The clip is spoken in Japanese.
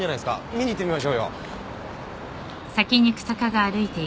見に行ってみましょうよ。